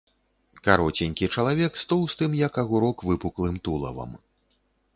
Кароценькі чалавек з тоўстым, як агурок, выпуклым тулавам.